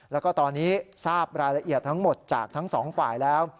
แล้วก็ตอนนี้ทราบรายละเอียดทั้งหมดจากทั้งสองฝ่ายแล้ว